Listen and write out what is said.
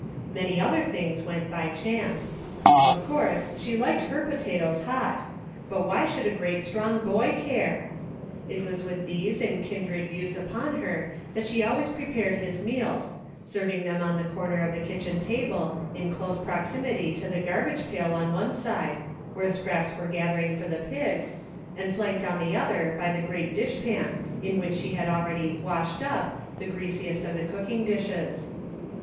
Many other things went by chance ; of course, she liked her potatoes hot, but why should a great strong boy care .* It was with these and kindred views upon her that she always prepared his meals, serving them on the corner of the kitchen table, in close proximity to the gar bage pail on one side, where scraps were gathering for the pigs, and flanked on the other by the great dishpan in which she had already "washed up" the greasiest of the cooking dishes.